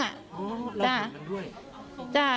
อ๋อเราเห็นมันด้วย